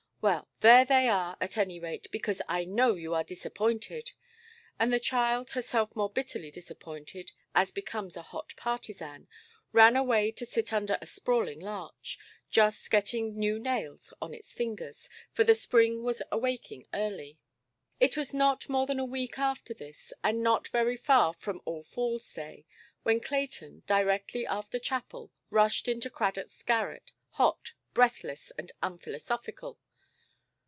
Well, there they are, at any rate, because I know you are disappointed". And the child, herself more bitterly disappointed, as becomes a hot partisan, ran away to sit under a sprawling larch, just getting new nails on its fingers, for the spring was awaking early. It was not more than a week after this, and not very far from All–Foolsʼ–day, when Clayton, directly after chapel, rushed into Cradockʼs garret, hot, breathless, and unphilosophical.